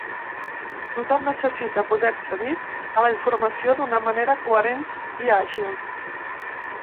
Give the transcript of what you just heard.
Tothom necessita poder accedir a la informació d’una manera coherent i àgil.